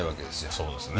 そうですね。